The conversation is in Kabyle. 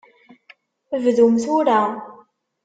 Bdum tura!